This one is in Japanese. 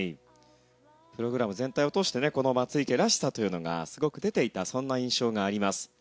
プログラム全体を通してこの松生らしさというのがすごく出ていたそんな印象があります。